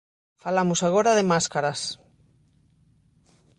Falamos agora de máscaras.